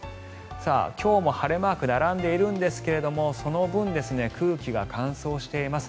今日も晴れマーク並んでいるんですがその分、空気が乾燥しています。